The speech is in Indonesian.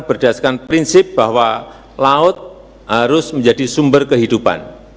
berdasarkan prinsip bahwa laut harus menjadi sumber kehidupan